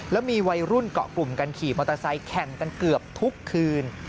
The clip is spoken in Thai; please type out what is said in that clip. แล้วมีวัยรุ่นเกาะกลุ่มกันขี่มอเตอร์ไซค์แข่งกันเกือบทุกคืน